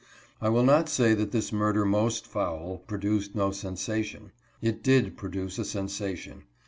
I will not say that this murder most foul pro duced no sensation. It did produce a sensation.